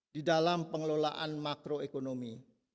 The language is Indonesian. di dalam pengelolaan makroekonomi